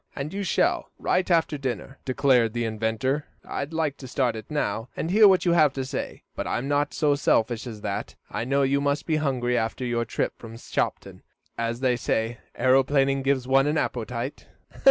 "And you shall, right after dinner," declared the inventor. "I'd like to start it now, and hear what you have to say, but I'm not so selfish as that. I know you must be hungry after your trip from Shopton, as they say aeroplaning gives one an appetite."